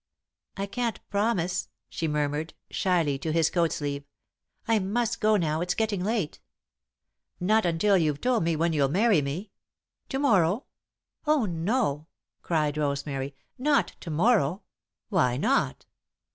"I can't promise," she murmured, shyly, to his coat sleeve. "I must go now, it's getting late." "Not until you've told me when you'll marry me. To morrow?" "Oh, no!" cried Rosemary. "Not to morrow." "Why not?"